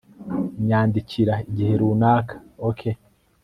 nyandikira igihe runaka, ok